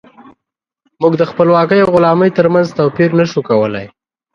موږ د خپلواکۍ او غلامۍ ترمنځ توپير نشو کولی.